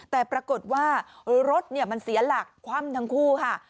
แต่ปรากฏว่ารถมันเสียหลักคว่ำทั้งคู่ค่ะ